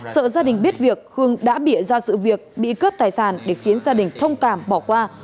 sợ gia đình biết việc khương đã bịa ra sự việc bị cướp tài sản để khiến gia đình thông cảm bỏ qua